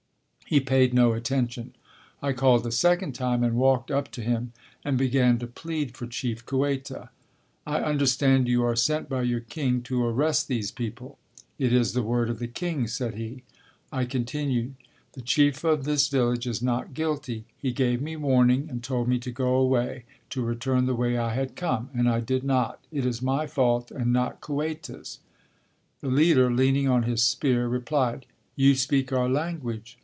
He paid no attention. I called a second time and walked up to him and began to plead for Chief Kueta. "I understand you are sent by your king to arrest these people." "It is the word of the king," said he. I continued, "The chief of this village is not guilty; he gave me warning and told me to go away, to return the way I had come, and I did not. It is my fault and not Kueta's." The leader, leaning on his spear, replied, "You speak our language?"